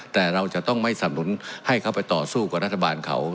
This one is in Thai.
แต่เราจะต้องไม่สำนุนให้เขาไปต่อสู้กับรัฐบาลเขา